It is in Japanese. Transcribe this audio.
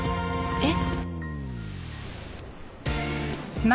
えっ？